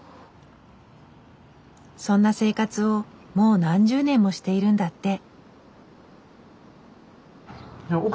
そんな生活をもう何十年もしているんだって。